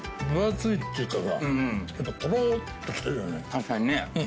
確かにね。